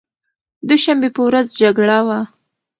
دوشنبې په ورځ جګړه وه.